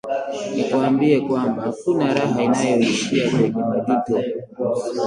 Nikwambie kwamba, hakuna raha inayoishia kwenye majuto